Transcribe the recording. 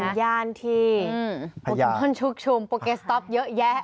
เป็นย่านที่โปเกมอนชุกชุมโปเกสต๊อปเยอะแยะ